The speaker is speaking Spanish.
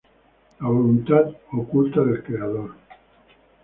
La voluntad oculta del creador.